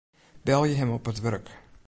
Belje him op it wurk.